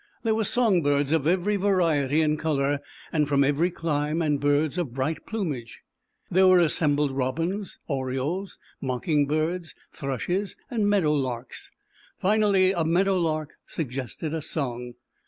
There were song birds of every variety and color and from every clime, and birds of bright plumage. There were assem bled Robins, Orioles, Mocking birds, Thrushes and Meadow larks. Finally a Meadow lark suggested a song.